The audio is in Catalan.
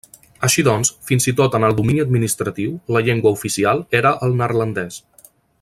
Així doncs, fins i tot en el domini administratiu, la llengua oficial era el neerlandès.